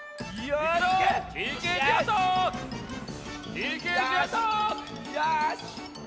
よし！